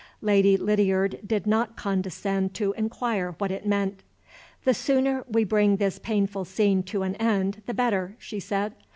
Lady Lydiard did not condescend to inquire what it meant. "The sooner we bring this painful scene to an end the better," she said.